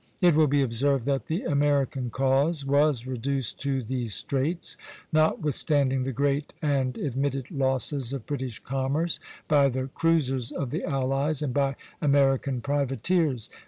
It will be observed that the American cause was reduced to these straits, notwithstanding the great and admitted losses of British commerce by the cruisers of the allies and by American privateers.